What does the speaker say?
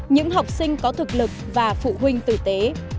những học sinh có thực lực và phụ huynh tử tế